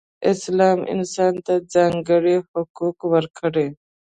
اسلام انسان ته ځانګړې حقوق ورکړئ.